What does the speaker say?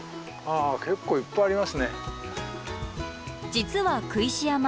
実は工石山